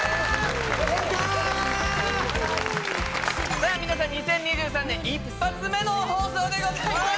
さあ皆さん２０２３年一発目の放送でございます！